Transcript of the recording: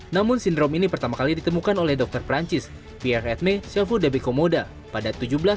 namun sindrom ini pertama kali ditemukan oleh dokter perancis pierre edme chauveau de bicomoda pada seribu tujuh ratus delapan puluh enam